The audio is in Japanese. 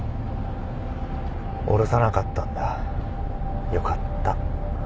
おろさなかったんだよかった。